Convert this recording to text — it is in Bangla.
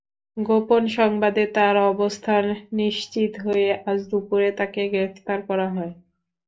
গোপন সংবাদে তাঁর অবস্থান নিশ্চিত হয়ে আজ দুপুরে তাঁকে গ্রেপ্তার করা হয়।